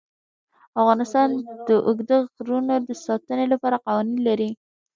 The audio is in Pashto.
افغانستان د اوږده غرونه د ساتنې لپاره قوانین لري.